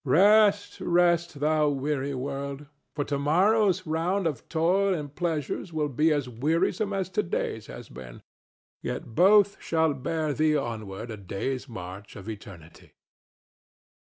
—Rest, rest, thou weary world! for to morrow's round of toil and pleasure will be as wearisome as to day's has been, yet both shall bear thee onward a day's march of eternity.